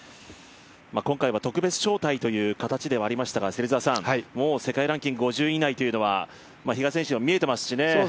今回は特別招待という形ではありましたが、もう世界ランキング５０位以内というのは比嘉選手も見えていますしね。